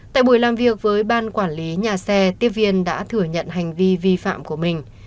tại buổi làm việc với ban quản lý nhà xe tiếp viên đã thừa nhận hành vi vi phạm của mình